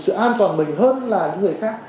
sự an toàn mình hơn là những người khác